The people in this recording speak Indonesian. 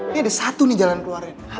ini ada satu nih jalan keluarnya